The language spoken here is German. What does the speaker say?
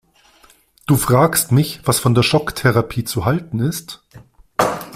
Du fragst mich, was von der Schocktherapie zu halten ist?